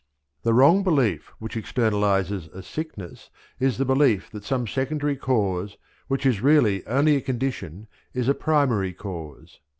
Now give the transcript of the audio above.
The wrong belief which externalizes as sickness is the belief that some secondary cause, which is really only a condition, is a primary cause.